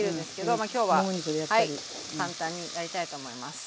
今日は簡単にやりたいと思います。